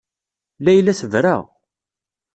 Layla tebra.